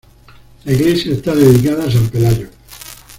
La iglesia está dedicada a san Pelayo.